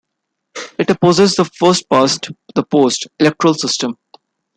It opposes the "first-past-the-post" electoral system.